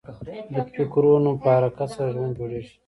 د فکرو نه په حرکت سره ژوند جوړېږي.